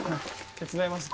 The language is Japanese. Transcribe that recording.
手伝いますよ。